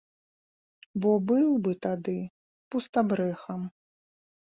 Бо быў бы тады пустабрэхам.